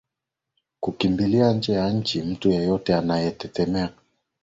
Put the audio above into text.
kukimbilia nje ya nchi Mtu yeyote anayemtetea Amin atakuwa na matatizo